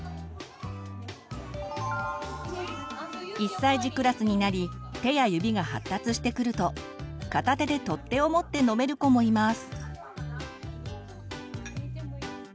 １歳児クラスになり手や指が発達してくると片手で取っ手をもって飲める子もいます。